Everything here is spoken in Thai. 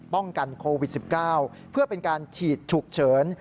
ป้องกันโควิด๑๙เพื่อเป็นการฉีดฉุกเฉิน